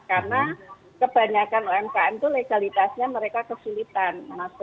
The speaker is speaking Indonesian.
karena kebanyakan umkm itu legalitasnya mereka kesulitan